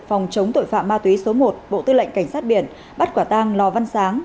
phòng chống tội phạm ma túy số một bộ tư lệnh cảnh sát biển bắt quả tang lò văn sáng